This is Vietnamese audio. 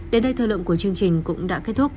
đến đây thời lượng của chương trình cũng đã kết thúc